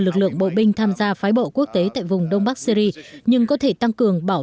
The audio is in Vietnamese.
lực lượng bộ binh tham gia phái bộ quốc tế tại vùng đông bắc syri nhưng có thể tăng cường bảo